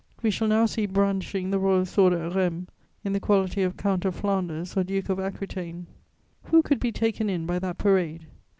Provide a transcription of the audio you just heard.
we shall now see brandishing the royal sword at Rheims, in the quality of Count of Flanders or Duke of Aquitaine. Who could be taken in by that parade?